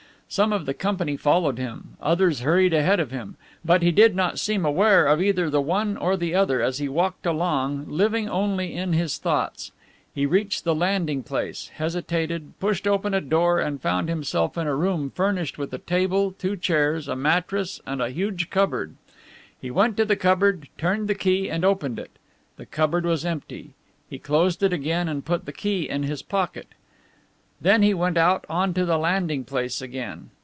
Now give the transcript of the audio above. Some of the company followed him, others hurried ahead of him. But he did not seem aware of either the one or the other, as he walked along living only in his thoughts. He reached the landing place, hesitated, pushed open a door, and found himself in a room furnished with a table, two chairs, a mattress and a huge cupboard. He went to the cupboard, turned the key and opened it. The cupboard was empty. He closed it again and put the key in his pocket. Then he went out onto the landing place again.